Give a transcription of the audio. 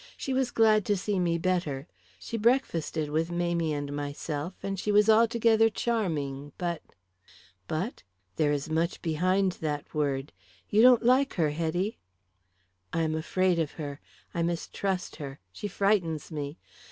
"She was glad to see me better; she breakfasted with Mamie and myself, and she was altogether charming, but " "But? There is much behind that word. You don't like her, Hetty?" "I am afraid of her; I mistrust her; she frightens me.